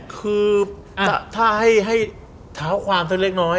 คือถ้าให้เท้าความสักเล็กน้อย